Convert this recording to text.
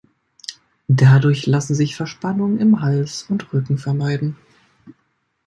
Dadurch lassen sich Verspannungen im Hals und Rücken vermeiden.